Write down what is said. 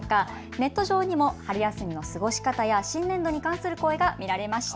ネット上にも春休みの過ごし方や新年度に関する声が見られました。